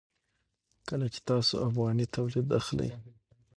کله چې تاسو افغاني تولید اخلئ.